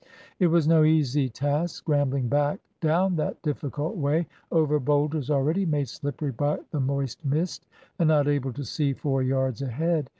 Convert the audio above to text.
It was no easy task scrambling back, down that difficult way, over boulders already made slippery by the moist mist, and not able to see four yards ahead.